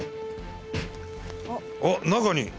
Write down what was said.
あっ中に！